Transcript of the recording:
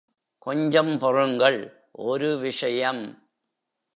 கொஞ்சம் பொறுங்கள் ஒரு விஷயம்.